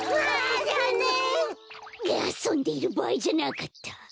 あそんでいるばあいじゃなかった。